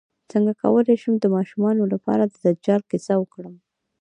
څنګه کولی شم د ماشومانو لپاره د دجال کیسه وکړم